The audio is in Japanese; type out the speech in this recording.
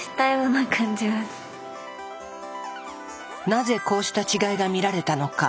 なぜこうした違いが見られたのか。